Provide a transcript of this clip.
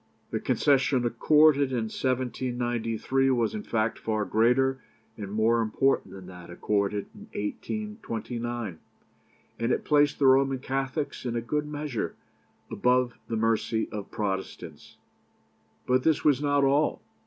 The concession accorded in 1793 was, in fact, far greater and more important than that accorded in 1829, and it placed the Roman Catholics, in a great measure, above the mercy of Protestants. But this was not all.